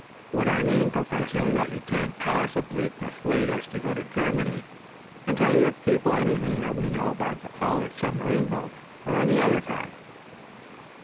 "Why, I mean, Professor, that you can't possibly persuade us to go to Germany and tell your people anything that we know about the Pollard submarine boats, or any other type."